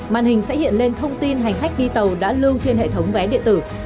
màn hình sẽ hiện lên thông tin hành khách đi tàu đã lưu trên hệ thống vé điện tử